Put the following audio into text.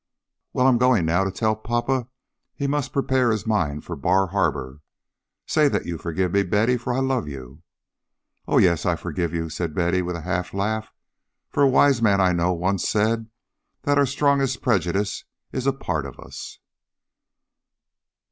"Well, I'm going now to tell papa he must prepare his mind for Bar Harbor. Say that you forgive me, Betty, for I love you." "Oh, yes, I forgive you," said Betty, with a half laugh, "for a wise man I know once said that our strongest prejudice is a part of us."